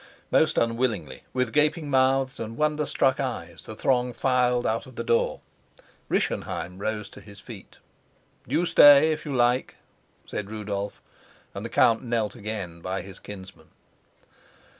Most unwillingly, with gaping mouths and wonder struck eyes, the throng filed out of the door. Rischenheim rose to his feet. "You stay, if you like," said Rudolf, and the count knelt again by his kinsman.